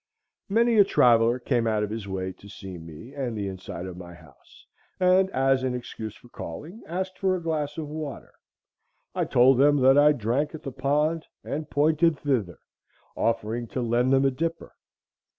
Many a traveller came out of his way to see me and the inside of my house, and, as an excuse for calling, asked for a glass of water. I told them that I drank at the pond, and pointed thither, offering to lend them a dipper.